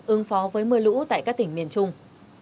ứng phó với mưa lũ tại các tỉnh miền trung